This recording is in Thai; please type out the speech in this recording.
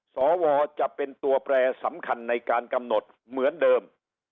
สวจะเป็นตัวแปรสำคัญในการกำหนดเหมือนเดิม